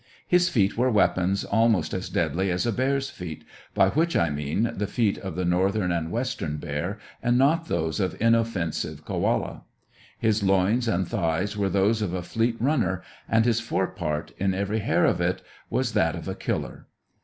His feet were weapons almost as deadly as a bear's feet, by which I mean the feet of the northern and western bear, and not those of inoffensive Koala. His loins and thighs were those of a fleet runner, and his fore part, in every hair of it, was that of a killer.